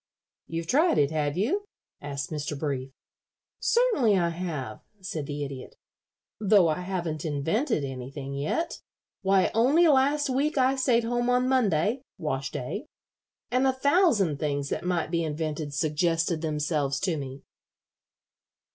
"You've tried it, have you?" asked Mr. Brief. "Certainly I have," said the Idiot, "though I haven't invented anything yet. Why, only last week I stayed home on Monday wash day and a thousand things that might be invented suggested themselves to me."